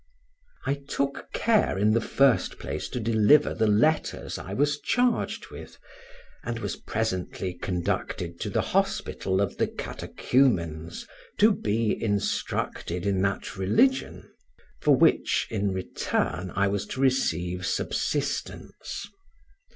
I took care in the first place to deliver the letters I was charged with, and was presently conducted to the hospital of the catechumens, to be instructed in that religion, for which, in return, I was to receive subsistence.